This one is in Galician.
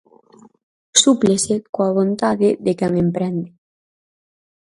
Súplese coa vontade de quen emprende.